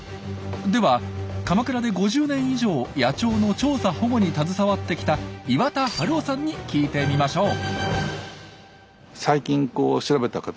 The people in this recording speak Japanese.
では鎌倉で５０年以上野鳥の調査・保護に携わってきた岩田晴夫さんに聞いてみましょう。